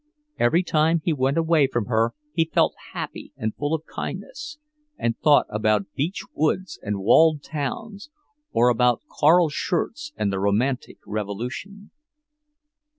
Every time he went away from her he felt happy and full of kindness, and thought about beech woods and walled towns, or about Carl Schurz and the Romantic revolution.